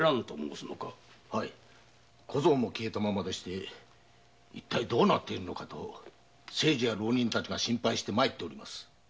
小僧も消えたままでして一体どうなっているのかと清次や浪人たちが心配して。